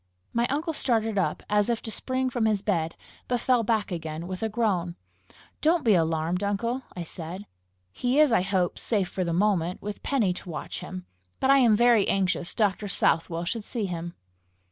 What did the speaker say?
My uncle started up as if to spring from his bed, but fell back again with a groan. "Don't be alarmed, uncle!" I said. "He is, I hope, safe for the moment, with Penny to watch him; but I am very anxious Dr. Southwell should see him."